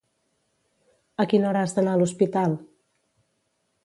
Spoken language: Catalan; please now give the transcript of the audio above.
A quina hora has d'anar a l'Hospital?